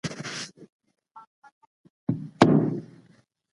تاسو خپلي ورځنۍ چاري په غوره توګه اداره کوئ.